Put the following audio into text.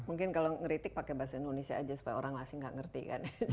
mungkin kalau ngeritik pakai bahasa indonesia aja supaya orang asing nggak ngerti kan